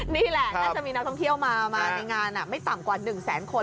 นี่แหละน่าจะมีนักท่องเที่ยวมาในงานไม่ต่ำกว่า๑แสนคน